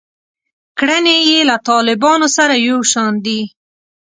کړنې یې له طالبانو سره یو شان دي.